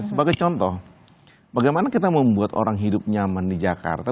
sebagai contoh bagaimana kita membuat orang hidup nyaman di jakarta